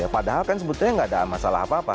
padahal kan sebetulnya nggak ada masalah apa apa